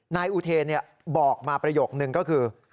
นายอุเทนบอกมาประโยคนึงก็คือ